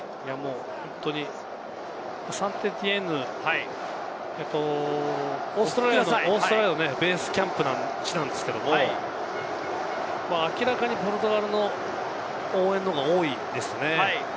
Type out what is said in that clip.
本当にサンテティエンヌ、オーストラリアのベースキャンプ地なんですけれど、明らかにポルトガルの応援の方が多いですね。